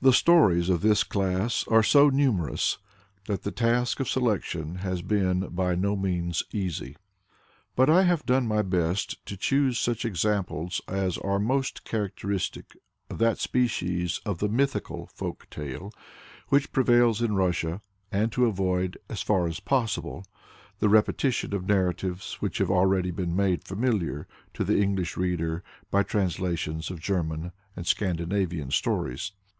The stories of this class are so numerous, that the task of selection has been by no means easy. But I have done my best to choose such examples as are most characteristic of that species of the "mythical" folk tale which prevails in Russia, and to avoid, as far as possible, the repetition of narratives which have already been made familiar to the English reader by translations of German and Scandinavian stories.